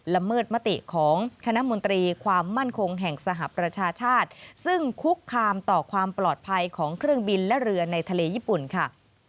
ละเมิดมติของคณะมนตรีความมั่นคงแห่งสหประชาชาติซึ่งคุกคามต่อความปลอดภัยของเครื่องบินและเรือในทะเลญี่ปุ่นค่ะ